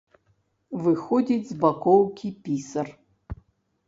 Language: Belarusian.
Выходзіць з бакоўкі пісар.